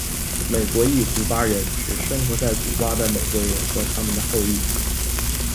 美国裔古巴人，是指生活在古巴的美国人和他们的后裔。